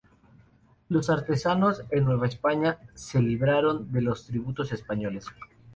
Los artesanos en Nueva España se libraron de los tributos españoles.